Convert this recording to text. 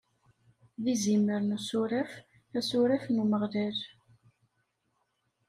D izimer n usuref, asuref n Umeɣlal.